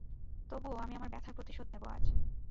তবুও, আমি আমার ব্যাথার প্রতিশোধ নেব আজ।